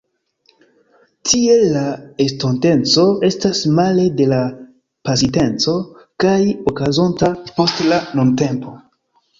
Tiel, la estonteco estas male de la pasinteco, kaj okazonta post la nuntempo.